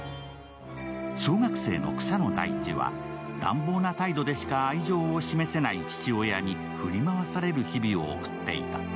小学生の草野大地は乱暴な態度でしか愛情を示せない父親に振り回される日々を送っていた。